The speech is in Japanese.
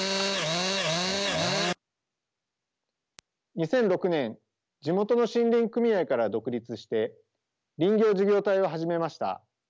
２００６年地元の森林組合から独立して林業事業体を始めました。